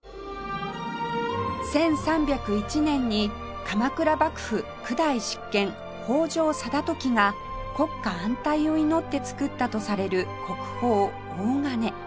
１３０１年に鎌倉幕府９代執権北条貞時が国家安泰を祈って作ったとされる国宝洪鐘